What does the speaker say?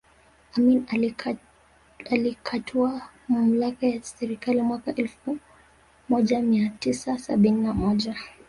Amin akatwaa mamlaka ya serikali mwaka elfu moja mia tisa sabini na moja